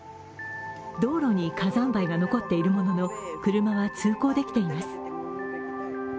道路に火山灰が残っているものの車は通行できています。